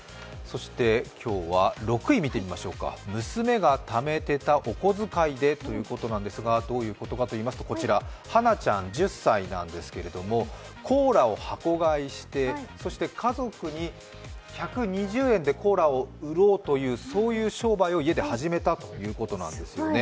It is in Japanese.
今日は６位見てみましょうか、「娘が貯めておいたお小遣いで」ということなんですがどういうことかといいますと、こちら花ちゃん１０歳なんですけれどもコーラを箱買いして、家族に１２０円でコーラを売ろうという商売を家で始めたということなんですよね。